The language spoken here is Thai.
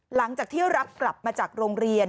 หลังจากที่รับกลับมาจากโรงเรียน